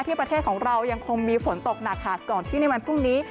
ประเทศของเรายังคงมีฝนตกหนักค่ะก่อนที่ในวันพรุ่งนี้